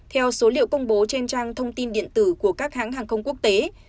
theo số liệu công bố trên trang thông tin điện tử của các hãng hàng không quốc tế